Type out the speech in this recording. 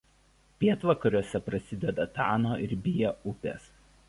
Pietvakariuose prasideda Tano ir Bia upės.